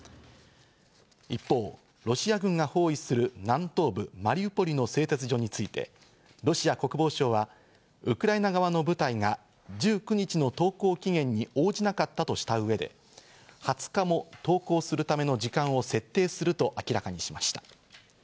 一方、ロシア軍が包囲する南東部マリウポリの製鉄所についてロシア国防省はウクライナ側の部隊が１９日の投降期限に応じなかったとした上で２０日も投降するための時間を設定すると明らかにしました。